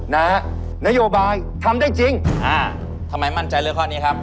นโยบายทำได้จริงอ่าทำไมมั่นใจเลือกข้อนี้ครับ